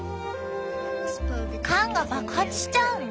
缶が爆発しちゃうの？